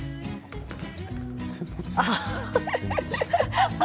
全部落ちた。